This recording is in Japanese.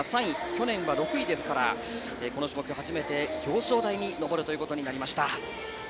去年は６位でしたからこの種目、初めて表彰台に上ることになりました。